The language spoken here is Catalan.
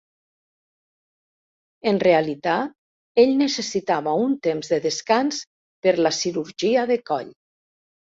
En realitat, ell necessitava un temps de descans per la cirurgia de coll.